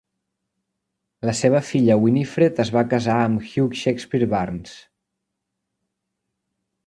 La seva filla Winifred es va casar amb Hugh Shakespear Barnes.